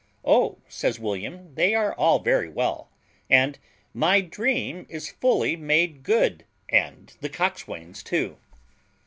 "Oh," says William, "they are all very well; and my dream is fully made good, and the cockswain's too."